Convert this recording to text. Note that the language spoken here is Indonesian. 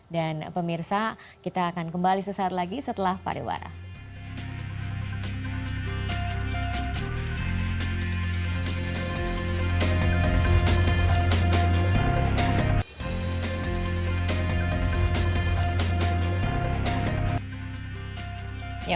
dan pemirsa kita akan kembali sesaat lagi setelah pariwara